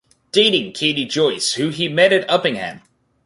Dating Katie Joyce who he met at Uppingham.